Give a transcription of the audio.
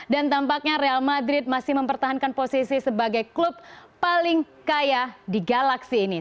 dan tampaknya real madrid masih mempertahankan posisi sebagai klub paling kaya di galaksi ini